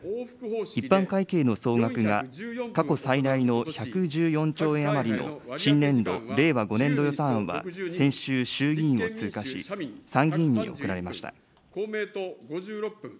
一般会計の総額が過去最大の１１４兆円余りの新年度・令和５年度予算は先週、衆議院を通過し、参議院に送られました。